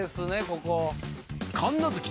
ここ。